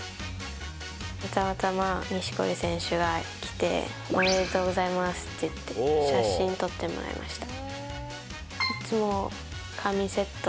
たまたま錦織選手が来ておめでとうございますって言って写真撮ってもらいました。